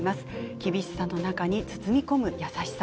厳しさの中に包み込む優しさ。